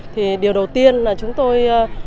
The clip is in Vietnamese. thì điều đầu tiên là chúng tôi